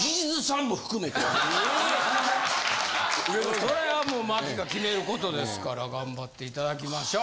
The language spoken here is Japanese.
・それはもう茉希が決めることですから頑張っていただきましょう！